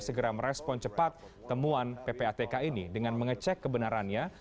segera merespon cepat temuan ppatk ini dengan mengecek kebenarannya